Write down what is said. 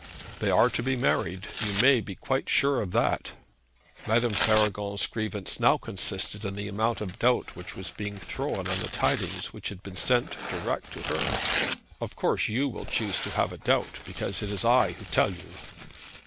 'They are to be married; you may be quite sure of that.' Madame Faragon's grievance now consisted in the amount of doubt which was being thrown on the tidings which had been sent direct to her. 'Of course you will choose to have a doubt, because it is I who tell you.'